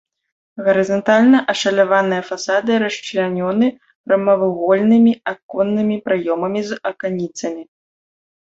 Гарызантальна ашаляваныя фасады расчлянёны прамавугольнымі аконнымі праёмамі з аканіцамі.